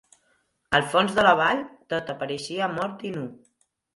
Al fons de la vall tot apareixia mort i nu.